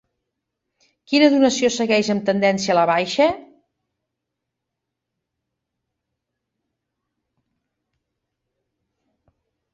Quina donació segueix amb tendència a la baixa?